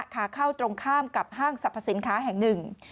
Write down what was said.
ขาเข้าตรงข้ามกับห้างสรรพสินค้าแห่งหนึ่ง